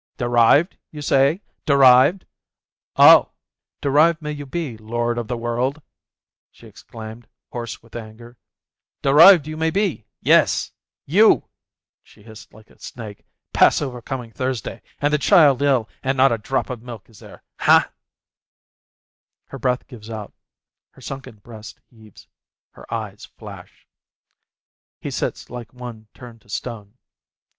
"Derived, you say, derived? 0, derived may you be, Lord of the World," she exclaimed, hoarse with anger, "derived may you be ! Yes ! You !" she hissed like a snake. "Passover coming â€" Thursday â€" and the child ill â€" and not a drop of milk is there. Ha ?" Her breath gives out, her sunken breast heaves, her eyes flash. He sits like one turned to stone.